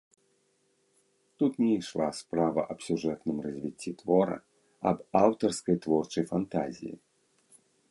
Тут не ішла справа аб сюжэтным развіцці твора, аб аўтарскай творчай фантазіі.